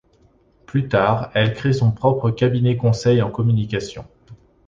Plus tard, elle crée son propre cabinet-conseil en communication.